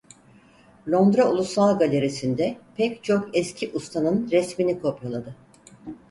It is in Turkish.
Londra Ulusal Galerisi'nde pek çok eski ustanın resmini kopyaladı.